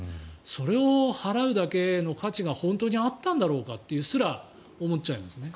それを払うだけの価値が本当にあったんだろうかとすら思っちゃいますね。